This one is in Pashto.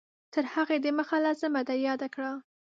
تر هغې د مخه لازمه ده یاده کړو